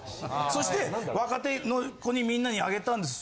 そして若手の子にみんなにあげたんです。